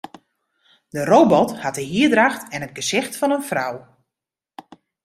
De robot hat de hierdracht en it gesicht fan in frou.